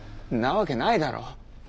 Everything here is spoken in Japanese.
んなわけないだろ！